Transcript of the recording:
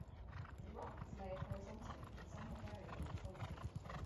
The rock is layered horizontally, and somewhat variable in quality.